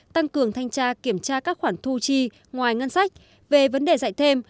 tăng cường thanh tra kiểm tra các khoản thu chi ngoài ngân sách về vấn đề dạy thêm